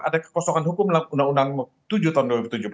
ada kekosongan hukum dalam undang undang tujuh tahun dua ribu tujuh belas